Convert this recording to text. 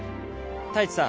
太一さん